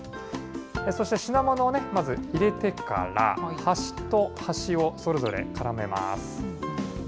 そして、品物をまず入れてから、端と端をそれぞれ絡めます。